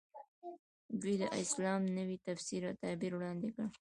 دوی د اسلام نوی تفسیر او تعبیر وړاندې کړ.